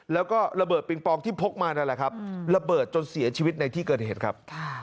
แล้วก็ระเบิดปิงปองที่พกมานั่นแหละครับระเบิดจนเสียชีวิตในที่เกิดเหตุครับ